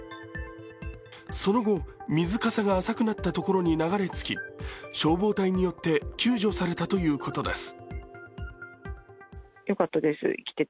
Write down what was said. その後、水かさが浅くなったところに流れ着き消防隊によって救助されたということです。